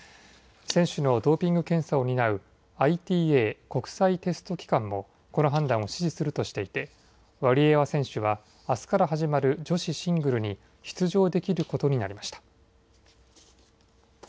選手のドーピング検査を担うＩＴＡ・国際テスト機関も、この判断を支持するとしていて、ワリエワ選手は、あすから始まる女子シングルに出場できることになりました。